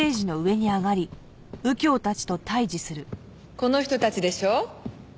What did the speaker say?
この人たちでしょ？